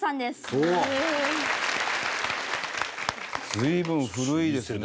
随分古いですよね。